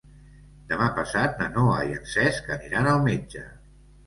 Demà passat na Noa i en Cesc aniran al metge.